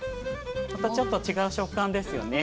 またちょっと違う食感ですよね。